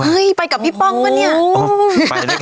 เห้ยไปกับพี่ป้องก้เนี่ย